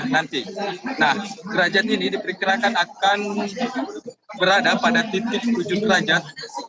nah derajat ini diperkirakan akan berada pada titik tujuh derajat